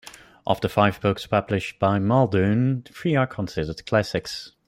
Of the five books published by Muldoon, three are considered classics.